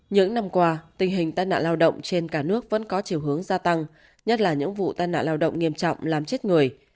những năm qua tình hình tai nạn lao động trên cả nước vẫn có chiều hướng gia tăng nhất là những vụ tai nạn lao động nghiêm trọng làm chết người